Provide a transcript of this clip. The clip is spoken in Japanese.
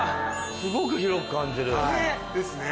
すごく広く感じる。ですね。